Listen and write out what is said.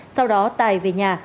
sau đó tài về nhà